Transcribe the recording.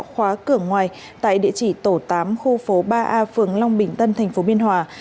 khóa cửa ngoài tại địa chỉ tổ tám khu phố ba a phường long bình tân tp biên hòa